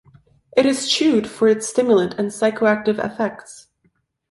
It is chewed for its stimulant and psychoactive effects.